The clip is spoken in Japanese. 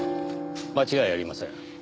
間違いありません。